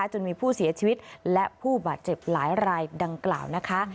จนมีผู้เสียชีวิตและผู้บาดเจ็บหลายรายดังกล่าวนะคะ